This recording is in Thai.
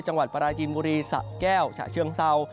จังหวัดปราจีนบุรีสะแก้วฉะเชืองเศร้า